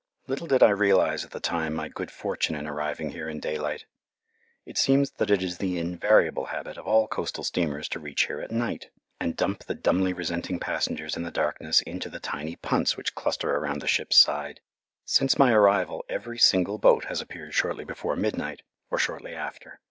Little did I realize at the time my good fortune in arriving here in daylight. It seems that it is the invariable habit of all coastal steamers to reach here at night, and dump the dumbly resenting passengers in the darkness into the tiny punts which cluster around the ship's side. Since my arrival every single boat has appeared shortly before midnight, or shortly after.